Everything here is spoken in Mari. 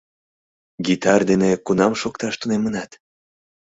— Гитар дене кунам шокташ тунемынат?